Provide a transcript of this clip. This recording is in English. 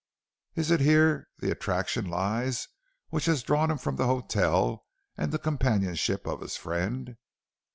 Is it here the attraction lies which has drawn him from the hotel and the companionship of his friend?